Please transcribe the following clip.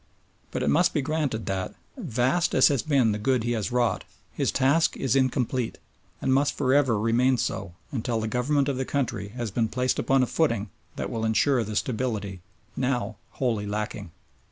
But it must be granted that, vast as has been the good he has wrought, his task is incomplete, and must for ever remain so until the Government of the country has been placed upon a footing that will ensure the stability now wholly lacking.